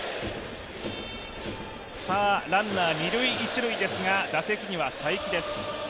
ランナー二塁・一塁ですが打席には才木です。